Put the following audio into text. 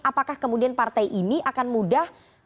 apakah kemudian partai ini akan mudah